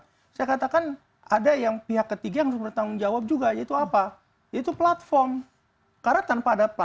kalau saya katakan ada yang pihak ketiga yang sempurna tanggung jawab juga yaitu apa